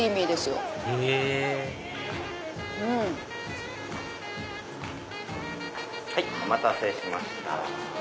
お待たせしました。